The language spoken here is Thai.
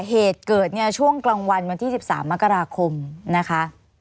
เหตุเกิดเนี่ยช่วงกลางวันวันที่๑๓มกราคมนะคะ